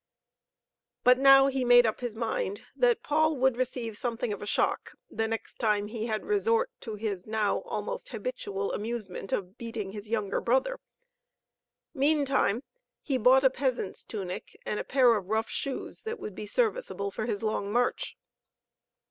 But now he made up his mind that Paul would receive something of a shock the next time he had resort to his now almost habitual amusement of beating his younger brother. Meantime, he bought a peasant's tunic and a pair of rough shoes that would be serviceable for his long march.